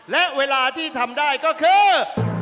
และเวลาที่ทำได้ก็คือ